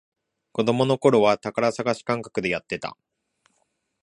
子供のころは宝探し感覚でやってた